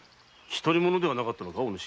独り者ではなかったのかお主？